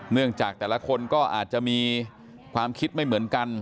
เนื่องจากแต่ละคนก็อาจจะมีความคิดไม่เหมือนกัน